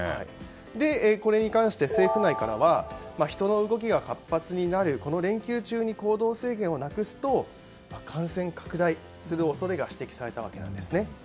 これに関して、政府内からは人の動きが活発になるこの連休中に行動制限をなくすと感染拡大する恐れが指摘されたわけなんですね。